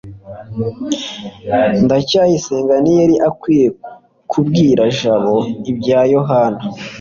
ndacyayisenga ntiyari akwiye kubwira jabo ibya yohana